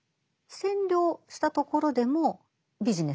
占領したところでもビジネスにする。